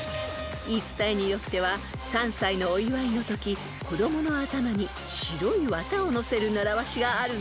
［言い伝えによっては３歳のお祝いのとき子供の頭に白い綿をのせる習わしがあるんです］